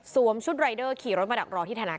สวมชุดรายเดอร์ขี่รถมาดักรอที่ทางนี้